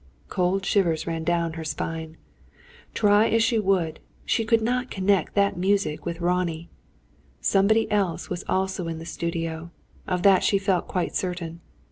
Cold shivers ran down her spine. Try as she would, she could not connect that music with Ronnie. Somebody else was also in the studio, of that she felt quite certain.